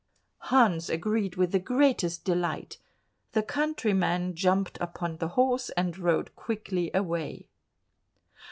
Hans agreed with the greatest delight; the countryman jumped upon the horse, and rode quickly away.